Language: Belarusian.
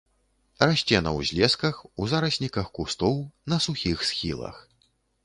Расце на ўзлесках, у зарасніках кустоў, на сухіх схілах.